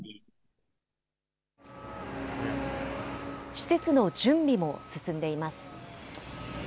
施設の準備も進んでいます。